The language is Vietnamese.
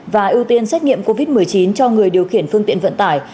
và ưu tiên xét nghiệm covid một mươi chín cho người điều khiển phương tiện vận tải